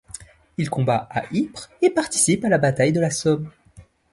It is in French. Il combat à Ypres et participe à la bataille de la Somme.